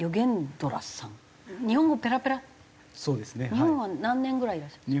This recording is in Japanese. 日本は何年ぐらいいらっしゃいます？